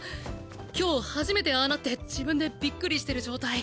今日初めてああなって自分でびっくりしてる状態。